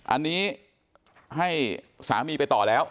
อันนี้ให้สามีไปต่อแล้ว